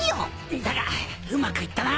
だがうまくいったな。